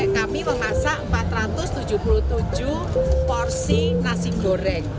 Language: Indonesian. kami memasak empat ratus tujuh puluh tujuh porsi nasi goreng